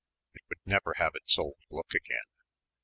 It would never have its old look again.